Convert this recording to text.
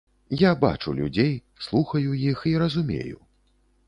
Я бачу людзей, слухаю іх і разумею.